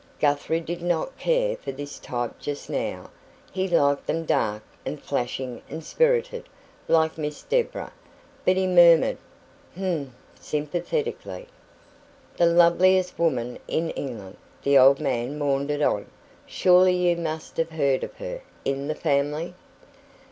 Guthrie did not care for this type just now. He liked them dark and flashing and spirited, like Miss Deborah. But he murmured "Hm m m" sympathetically. "The loveliest woman in England," the old man maundered on. "Surely you must have heard of her, in the family?"